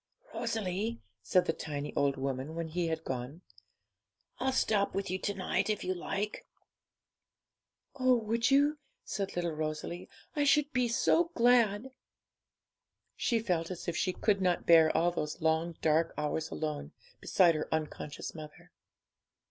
'Rosalie,' said the tiny old woman when he had gone, 'I'll stop with you to night, if you like.' 'Oh would you?' said little Rosalie; 'I should be so glad!' She felt as if she could not bear all those long, dark hours alone, beside her unconscious mother.